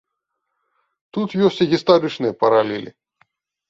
Тут ёсць і гістарычныя паралелі.